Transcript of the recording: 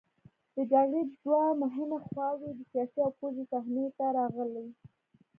د جګړې دوه مهمې خواوې د سیاسي او پوځي صحنې ته راغلې.